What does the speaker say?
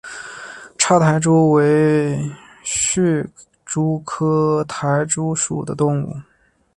叉苔蛛为皿蛛科苔蛛属的动物。